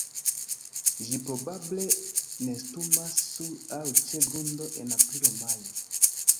Ĝi probable nestumas sur aŭ ĉe grundo en aprilo-majo.